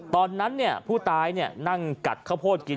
ตอนนั้นผู้ตายนั่งกัดข้าวโพดกิน